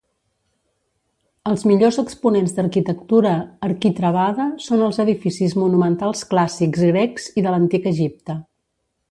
Els millors exponents d'arquitectura arquitravada són els edificis monumentals clàssics grecs i de l'antic Egipte.